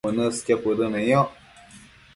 uënësqio cuëdëneyoc